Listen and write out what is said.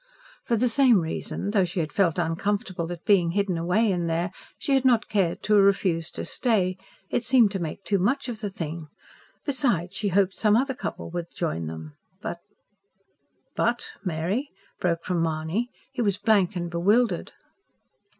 For the same reason, though she had felt uncomfortable at being hidden away in there, she had not cared to refuse to stay: it seemed to make too much of the thing. Besides, she hoped some other couple would join them. But "But, Mary...!" broke from Mahony; he was blank and bewildered.